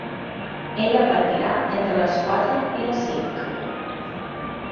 Ella partirà entre les quatre i les cinc.